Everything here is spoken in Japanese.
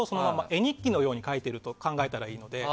絵日記のように描いていると考えたらいいですね。